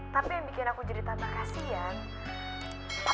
tapi yang bikin aku jadi tanpa kasihan